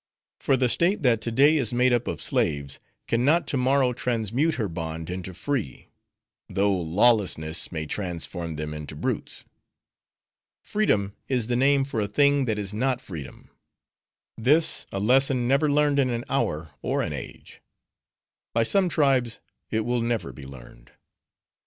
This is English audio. For the state that to day is made up of slaves, can not to morrow transmute her bond into free; though lawlessness may transform them into brutes. Freedom is the name for a thing that is not freedom; this, a lesson never learned in an hour or an age. By some tribes it will never be learned.